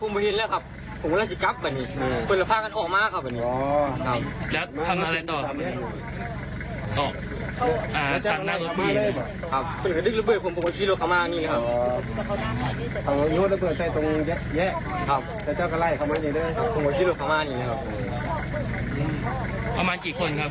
มีเดือดขวามารอีกไหมครับ